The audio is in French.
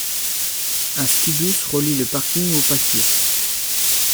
Un skibus relie le parking au Pâquier.